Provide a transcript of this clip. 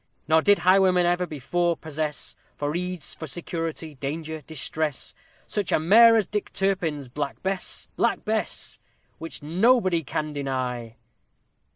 _ Nor did highwaymen ever before possess For ease, for security, danger, distress, Such a mare as DICK TURPIN'S Black Bess! Black Bess! _Which nobody can deny.